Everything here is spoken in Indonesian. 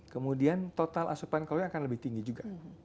kemudian total asupan kalori akan lebih tinggi juga